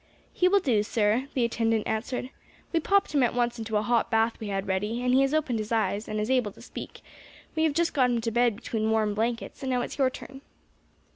"He will do, sir," the attendant answered, "we popped him at once into a hot bath we had ready, and he has opened his eyes, and is able to speak; we have just got him into bed between warm blankets, and now it's your turn."